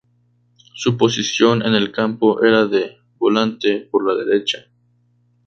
Su posición en el campo era de Volante por la derecha.